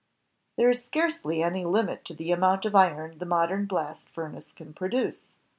There is scarcely any limit to the amount of iron the modem blast furnace can produce.